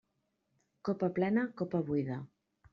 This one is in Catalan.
Copa plena, copa buida.